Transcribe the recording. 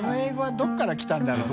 どこから来たんだろうな？